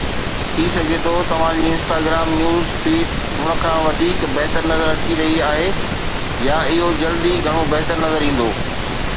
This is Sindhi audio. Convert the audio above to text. ٿي سگهي ٿو توهان جي انسٽاگرام نيوز فيڊ ان کان وڌيڪ بهتر نظر اچي رهي آهي، يا اهو جلد ئي گهڻو بهتر نظر ايندو